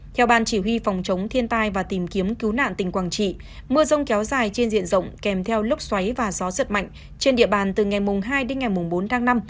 theo ban chỉ huy phòng chống thiên tai và tìm kiếm cứu nạn tỉnh quảng trị mưa rông kéo dài trên diện rộng kèm theo lúc xoáy và gió giật mạnh trên địa bàn từ ngày hai đến ngày bốn tháng năm